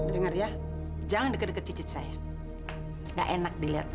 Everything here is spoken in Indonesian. dengar ya jangan deket deket cicit saya gak enak dilihat